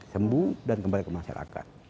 sembuh dan kembali ke masyarakat